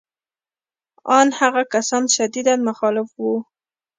ان هغه کسان شدیداً مخالف وو